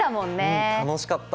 うん楽しかった。